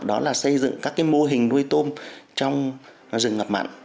đó là xây dựng các mô hình nuôi tôm trong rừng ngập mặn